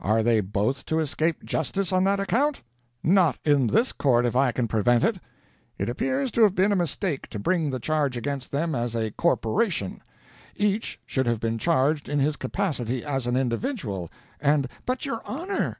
Are they both to escape justice on that account? Not in this court, if I can prevent it. It appears to have been a mistake to bring the charge against them as a corporation; each should have been charged in his capacity as an individual, and " "But, your honor!"